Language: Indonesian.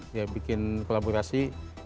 dia bikin kolaborasi